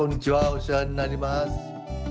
お世話になります。